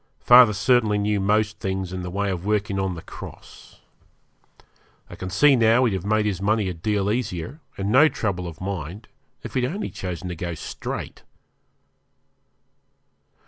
Father certainly knew most things in the way of working on the cross. I can see now he'd have made his money a deal easier, and no trouble of mind, if he'd only chosen to go straight.